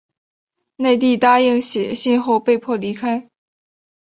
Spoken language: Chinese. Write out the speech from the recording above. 内蒂答应写信后被迫离开。